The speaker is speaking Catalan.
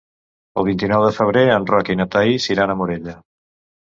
El vint-i-nou de febrer en Roc i na Thaís iran a Morella.